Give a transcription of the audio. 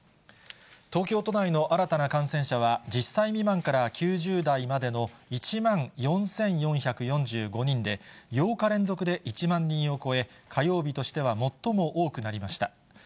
東京都内の新たな感染者は、１０歳未満から９０代までの１万４４４５人で、８日連続で１万人を超え、火曜日としては最も多くなりました。